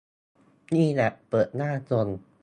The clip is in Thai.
นี่แหละเปิดหน้าชน